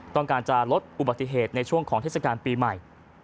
ต้องการจะลดอุบัติเหตุในช่วงของเทศกาลปีใหม่